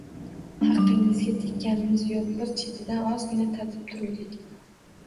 – Haqingizga tekkanimiz yo‘q, bir chetidan ozgina tatib turuvdik